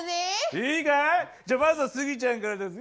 じゃあまずはスギちゃんからだぜ。